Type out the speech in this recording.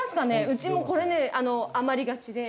うちもこれね余りがちで。